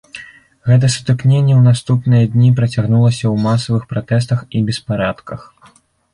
Гэта сутыкненне ў наступныя дні працягнулася ў масавых пратэстах і беспарадках.